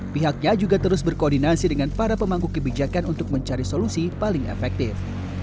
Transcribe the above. pihaknya juga terus berkoordinasi dengan para pemangku kebijakan untuk mencari solusi paling efektif